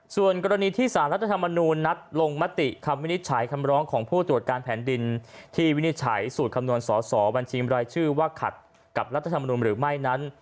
ส่วนกรณีที่สารรัฐธรรมนูญนัดลงมติคำวินิจฉัยคำร้องของผู้ตรวจการแผ่นดินที่วินิจฉัยสูตรคำนวณสอสอบัญชีมรายชื่อว่าขัดกับรัฐธรรมนุนหรือไม่นั้น